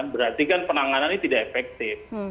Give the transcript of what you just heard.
berarti kan penanganannya tidak efektif